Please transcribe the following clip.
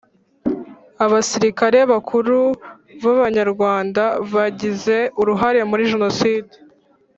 Abasirikare bakuru b’Abanyarwanda bagize uruhare muri jenoside